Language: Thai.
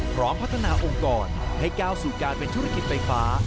พร้อมพัฒนาองค์กรให้ก้าวสู่การเป็นธุรกิจไฟฟ้า